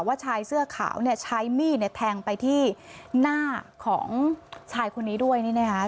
ชายเสื้อขาวเนี่ยใช้มีดเนี่ยแทงไปที่หน้าของชายคนนี้ด้วยนี่นะคะ